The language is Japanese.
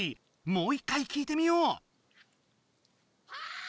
もう一回聞いてみよう！